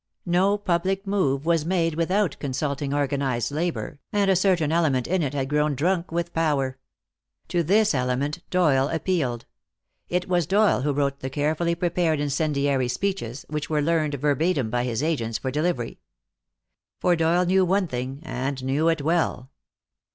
No public move was made without consulting organized labor, and a certain element in it had grown drunk with power. To this element Doyle appealed. It was Doyle who wrote the carefully prepared incendiary speeches, which were learned verbatim by his agents for delivery. For Doyle knew one thing, and knew it well.